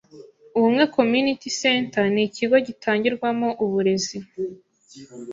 Ubumwe Community Center ni ikigo gitangirwamo uburezi